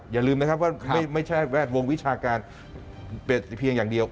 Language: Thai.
อย่าลืมนะครับว่าไม่ใช่แวดวงวิชาการเป็นเพียงอย่างเดียว